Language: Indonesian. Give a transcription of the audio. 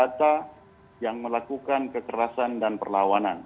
kelompok bersenjata yang melakukan kekerasan dan perlawanan